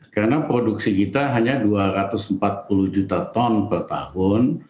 karena produksi kita hanya dua ratus empat puluh juta ton per tahun